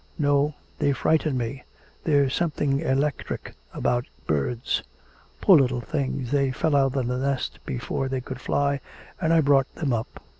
'No, they frighten me; there's something electric about birds.' 'Poor little things, they fell out of the nest before they could fly, and I brought them up.